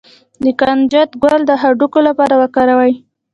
د کنجد ګل د هډوکو لپاره وکاروئ